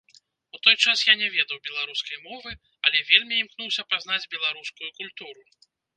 У той час я не ведаў беларускай мовы, але вельмі імкнуўся пазнаць беларускую культуру.